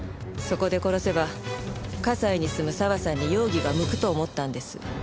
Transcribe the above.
そこで殺せば西に住む佐和さんに容疑が向くと思ったんです。